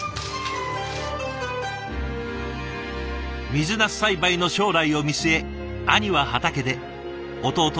水なす栽培の将来を見据え兄は畑で弟は漬物工房で。